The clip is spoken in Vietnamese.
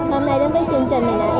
hôm nay đến với chương trình này nè